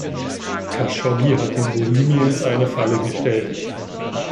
Khashoggi hat den Bohemians eine Falle gestellt.